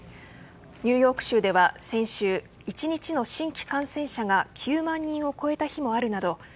ニューヨーク州では先週１日の新規感染者が９万人を超えた日もあるなど